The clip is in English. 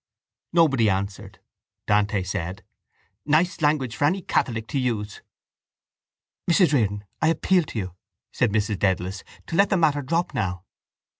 Nobody answered. Dante said: —Nice language for any catholic to use! —Mrs Riordan, I appeal to you, said Mrs Dedalus, to let the matter drop now.